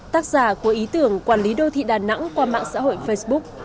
tác giả của ý tưởng quản lý đô thị đà nẵng qua mạng xã hội facebook